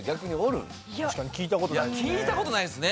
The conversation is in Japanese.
聞いたことないですね。